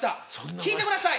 聴いてください。